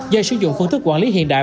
do sử dụng phương thức quản lý hiện đại